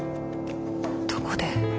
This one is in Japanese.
どこで。